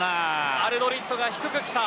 アルドリットが低く来た。